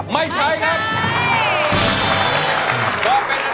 ไม่ใช้ครับครับไม่ใช้